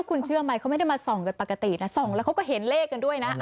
คุณเชื่อไหมเขาไม่ได้มาส่องกันปกตินะส่องแล้วเขาก็เห็นเลขกันด้วยนะ